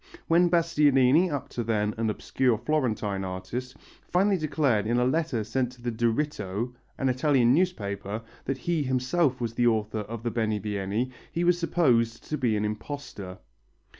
When Bastianini, up to then an obscure Florentine artist, finally declared in a letter sent to the Diritto, an Italian newspaper, that he himself was the author of the Benivieni, he was supposed to be an imposter.